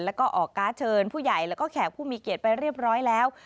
แล้วก็ออกการ์ดเชิญผู้ใหญ่แล้วก็แขกผู้มีเกียรติไปเรียบร้อยแล้ว